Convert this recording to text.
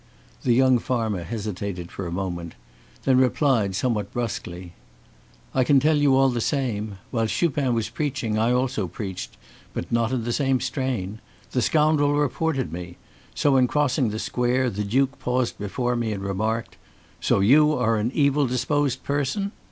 The young farmer hesitated for a moment, then replied, somewhat brusquely: "I can tell you, all the same. While Chupin was preaching, I also preached, but not in the same strain. The scoundrel reported me. So, in crossing the square, the duke paused before me and remarked: 'So you are an evil disposed person?